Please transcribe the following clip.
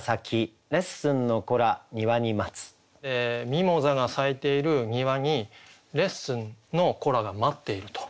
ミモザが咲いている庭にレッスンの子らが待っていると。